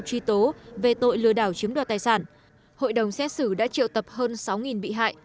truy tố về tội lừa đảo chiếm đoạt tài sản hội đồng xét xử đã triệu tập hơn sáu bị hại